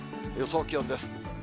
予想気温です。